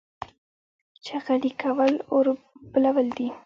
چغلي کول اور بلول دي